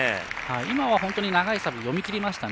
今は本当に長いサーブ読みきりましたね。